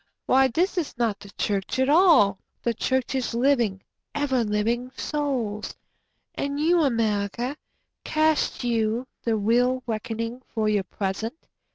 Why this is not the church at all—the Church is living, ever living Souls.")And you, America, Cast you the real reckoning for your present?